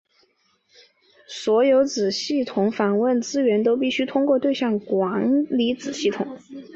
所有子系统访问资源都必须通过对象管理子系统。